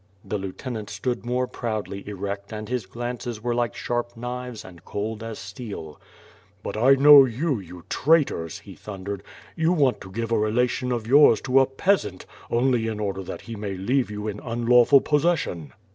The lieutenant stood more proudly erect and his glances were like sharp knives and cold as steel, "But I know you, you traitors," he thundered, "you want to give a relation of yours to a peasant, only in order that he may leave you in unlawful possession."